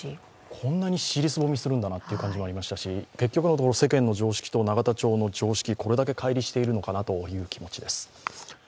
こんなに尻すぼみするんだなという感じがしましたし結局のところ、世間の常識と永田町の常識、これだけ乖離しいるのかなというところです。